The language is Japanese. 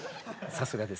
さすがです。